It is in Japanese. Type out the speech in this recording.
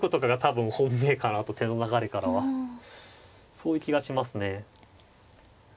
そういう気がしますね。